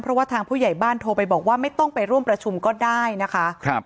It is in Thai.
เพราะว่าทางผู้ใหญ่บ้านโทรไปบอกว่าไม่ต้องไปร่วมประชุมก็ได้นะคะ